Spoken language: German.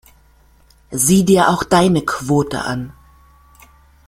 Sieh dir auch deine Quote an.